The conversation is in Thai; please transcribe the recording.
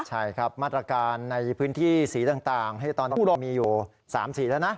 ใช่ครับมาตรการในพื้นที่สีต่างตอนนี้เรามีอยู่๓สีแล้วนะ